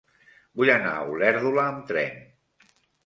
Vull anar a Olèrdola amb tren.